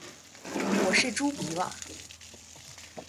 我是猪鼻吧